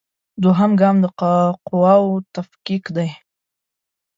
دوهم ګام د قواوو تفکیک دی.